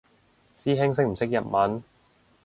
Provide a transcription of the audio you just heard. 師兄識唔識日文？